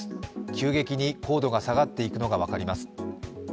急激に高度が下がっていくのが分かります。